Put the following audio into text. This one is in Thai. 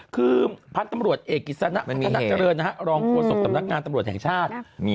คือพลัทธ์ตำรวจเอกิษัทนครพัทธัฐเจริญรองควสกตำนักงานตำรวจแห่งชาติ